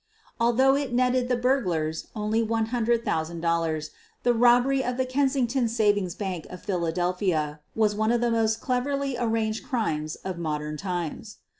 Although it netted the burglars only $100,000, the robbery of the Kensington Savings Bank of Phila delphia was one of the most cleverly arranged crimes of modern times.